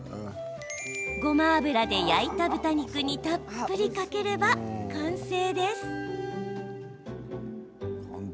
ごま油で焼いた豚肉にたっぷりかければ完成です。